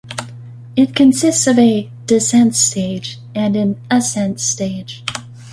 It consisted of a "descent stage" and an "ascent stage".